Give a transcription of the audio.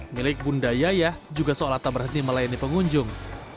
milik bunda yayah juga seolah tak berhenti melayani pengunjung